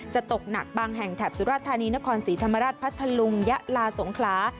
ตกหนักบางแห่งแถบสุรธานีนครศรีธรรมราชพัทธลุงยะลาสงขลา